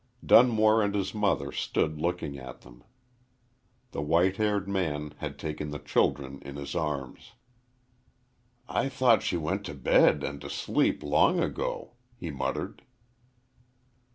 Dunmore and his mother stood looking at them. The white haired man had taken the children in his arms. "I thought she went to bed and to sleep long ago," he muttered.